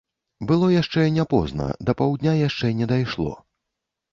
Было яшчэ не позна, да паўдня яшчэ не дайшло.